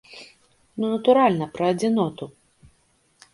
Ну натуральна, пра адзіноту!